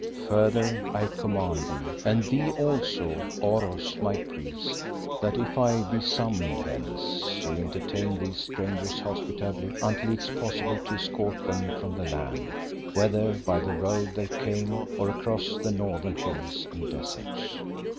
Further I command thee, and thee also, Oros my priest, that if I be summoned hence you entertain these strangers hospitably until it is possible to escort them from the land, whether by the road they came or across the northern hills and deserts.